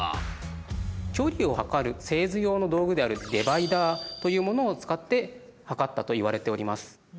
距離を測る製図用の道具であるデバイダーというものを使って測ったといわれております。